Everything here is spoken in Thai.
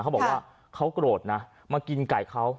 เขียนว่าเขากรดนะมากินไก่เขา